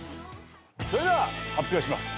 それでは発表します。